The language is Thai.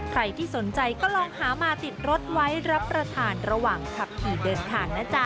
ใครที่สนใจก็ลองหามาติดรถไว้รับประทานระหว่างขับขี่เดินทางนะจ๊ะ